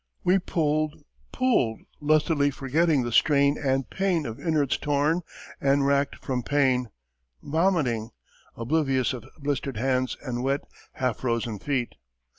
We pulled, pulled, lustily forgetting the strain and pain of innards torn and racked from pain, vomiting oblivious of blistered hands and wet, half frozen feet.